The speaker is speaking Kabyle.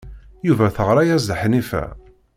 Yuba teɣra-as-d Ḥnifa.